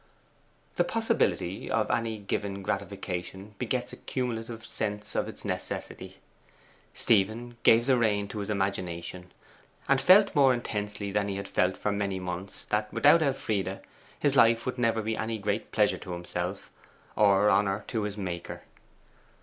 The possibility of any given gratification begets a cumulative sense of its necessity. Stephen gave the rein to his imagination, and felt more intensely than he had felt for many months that, without Elfride, his life would never be any great pleasure to himself, or honour to his Maker.